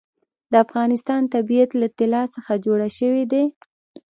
د افغانستان طبیعت له طلا څخه جوړ شوی دی.